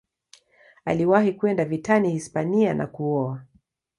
Aliwahi kwenda vitani Hispania na kuoa.